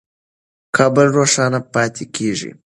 کابل روښانه پاتې کېږي.